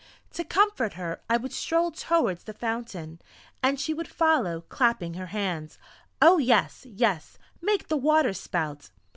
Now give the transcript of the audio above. To comfort her I would stroll towards the fountain, and she would follow clapping her hands.... "Oh, yes yes, make the water spout."